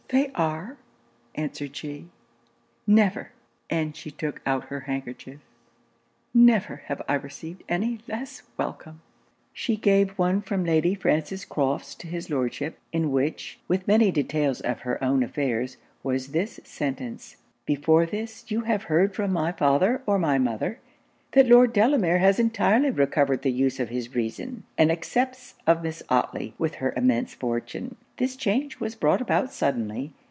'They are,' answered she. 'Never,' and she took out her handkerchief 'never have I received any less welcome!' She gave one from Lady Frances Crofts to his Lordship, in which, with many details of her own affairs, was this sentence 'Before this, you have heard from my father or my mother that Lord Delamere has entirely recovered the use of his reason, and accepts of Miss Otley with her immense fortune. This change was brought about suddenly.